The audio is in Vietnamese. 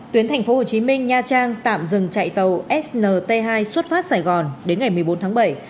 tuyến tp hcm nha trang tạm dừng chạy tàu snt hai xuất phát sài gòn đến ngày một mươi bốn tháng bảy